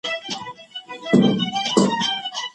پوهېږو چي د مجرمينو حقوق هم پايمال سوي دي.